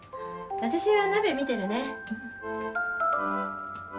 私は鍋見てるね。